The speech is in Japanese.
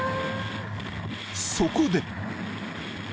［そこで］